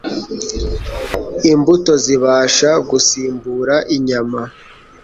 Imbuto zibasha gusimbura inyama